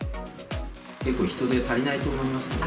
結構、人手足りないと思いますね。